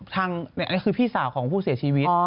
อันนี้คือพี่สาวของผู้เสียชีวิต